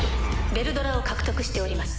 「暴風之王」を獲得しております。